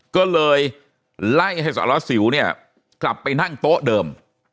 ก็เลยไล่ให้สารวัสสิวเนี่ยกลับไปนั่งโต๊ะเดิม